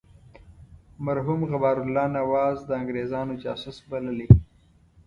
مرحوم غبار الله نواز د انګرېزانو جاسوس بللی.